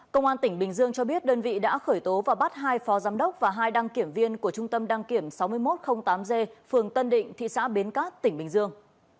công an tỉnh bình dương cho biết đơn vị đã khởi tố và bắt hai phó giám đốc và hai đăng kiểm viên của trung tâm đăng kiểm sáu nghìn một trăm linh tám g phường tân định thị xã bến cát tỉnh bình dương